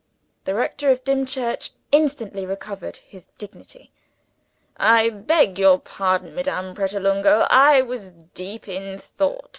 The rector of Dimchurch instantly recovered his dignity. "I beg your pardon, Madame Pratolungo, I was deep in thought.